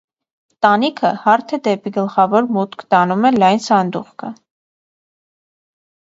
Տանիքը հարթ է, դեպի գլխավոր մուտք տանում է լայն սանդուղքը։